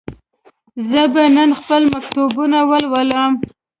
زه به نن خپل مکتوبونه ولولم.